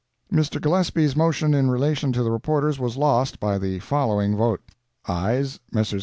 Mr. Gillespie's motion in relation to the reporters was lost, by the following vote: AYES—Messrs.